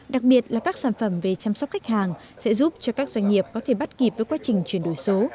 đặc biệt là các sản phẩm về chăm sóc khách hàng sẽ giúp cho các doanh nghiệp có thể bắt kịp với quá trình chuyển đổi số